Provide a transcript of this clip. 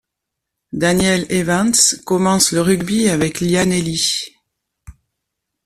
Daniel Evans commence le rugby avec Llanelli.